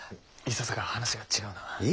いささか話が違うなあ。